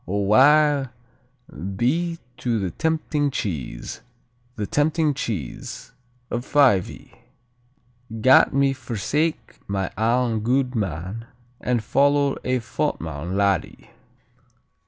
O wae be to the tempting cheese, The tempting cheese of Fyvie, Gat me forsake my ain gude man And follow a fottman laddie.